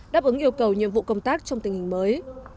đáp ứng yêu cầu nhiệm vụ công tác trong tình hình mới